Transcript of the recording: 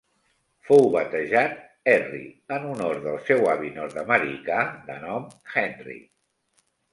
Fou batejat Erri en honor del seu avi nord-americà, de nom Henry.